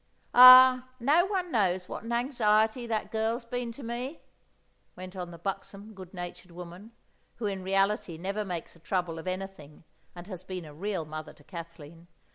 "Ah, no one knows what an anxiety that girl's been to me," went on the buxom, good natured woman, who in reality never makes a trouble of anything, and has been a real mother to Kathleen.